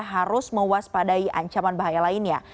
harus mewaspadai ancaman bahaya lainnya